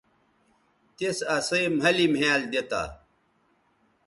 تِس اسئ مھلِ مھیال دی تا